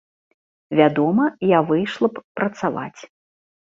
Вядома, я выйшла б працаваць.